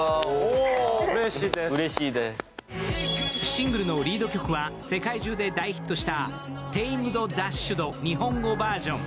シングルのリード曲は世界中で大ヒットした「Ｔａｍｅｄ−Ｄｕｓｈｅｄ」日本語バージョン。